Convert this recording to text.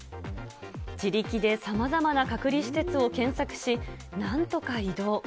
自力でさまざまな隔離施設を検索し、なんとか移動。